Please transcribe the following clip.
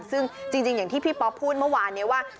ซึ่งจริงอย่างที่พี่ป๊อปพูดเมื่อวานนี้ว่า